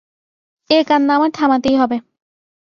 এ কান্না আমার থামাতেই হবে।